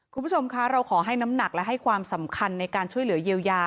คุณผู้ชมคะเราขอให้น้ำหนักและให้ความสำคัญในการช่วยเหลือเยียวยา